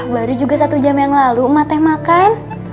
baru juga satu jam yang lalu emak teh makan